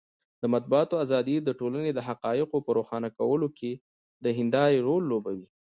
د مطبوعاتو ازادي د ټولنې د حقایقو په روښانولو کې د هندارې رول لوبوي.